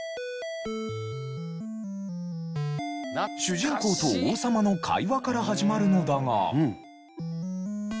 主人公と王様の会話から始まるのだが。